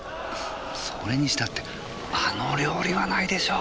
それにしたってあの料理はないでしょ。